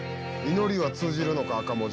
「“祈りは通じるのか”赤文字。